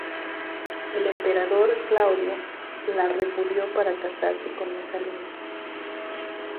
El emperador Claudio la repudió para casarse con Mesalina.